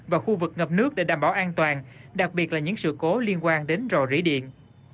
và khu vực ngập nước để đảm bảo an toàn đặc biệt là những sự cố liên quan đến rò rỉ điện